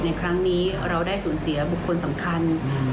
ในครั้งนี้เราได้สูญเสียบุคคลสำคัญ